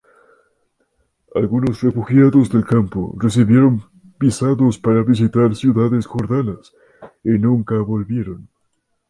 Algunos refugiados del campo recibieron visados para visitar ciudades jordanas y nunca volvieron.